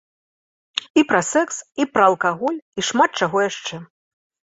І пра секс, і пра алкаголь, і шмат чаго яшчэ.